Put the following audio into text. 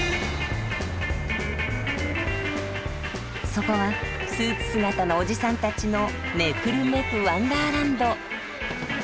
そこはスーツ姿のおじさんたちのめくるめくワンダーランド。